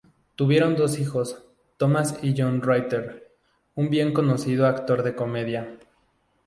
Tuvieron dos hijos, Thomas y John Ritter, un bien conocido actor de comedia.